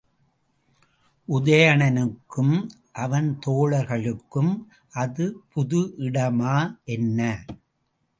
உதயணனுக்கும் அவன் தோழர்களுக்கும் அது புது இடமா என்ன?